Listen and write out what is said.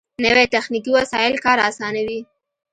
نوې تخنیکي وسایل کار آسانوي